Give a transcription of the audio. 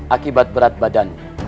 akibat berat badannya